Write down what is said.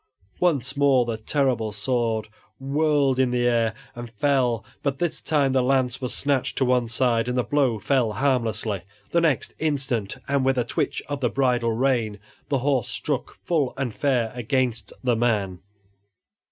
Once more the terrible sword whirled in the air and fell, but this time the lance was snatched to one side and the blow fell harmlessly. The next instant, and with a twitch of the bridle rein, the horse struck full and fair against the man.